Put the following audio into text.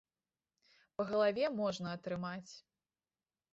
Па галаве можна атрымаць.